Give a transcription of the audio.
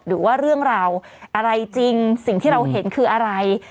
หรือว่าเรื่องราวอะไรจริงสิ่งที่เราเห็นคืออะไร